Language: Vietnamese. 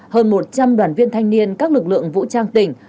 hơn một trăm linh đoàn viên thanh niên các lực lượng vũ trang tỉnh